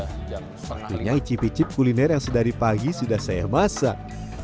artinya icip icip kuliner yang sedari pagi sudah saya masak